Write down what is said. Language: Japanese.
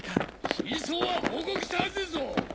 真相は報告したはずですぞ！